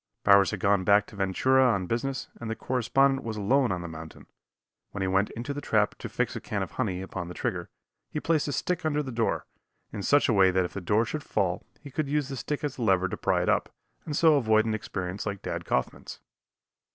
Bowers had gone back to Ventura on business, and the correspondent was alone on the mountain; when he went into the trap to fix a can of honey upon the trigger, he placed a stick under the door, in such a way that if the door should fall he could use the stick as a lever to pry it up, and so avoid an experience like Dad Coffman's.